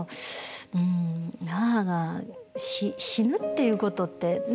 うん母が死ぬっていうことってね